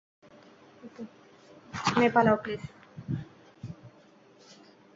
মে, পালাও, প্লিজ।